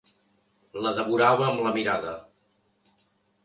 La devorava amb la mirada.